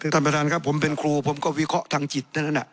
ท่านประทานครับผมเป็นครูผมก็วิเคราะห์ทางจิต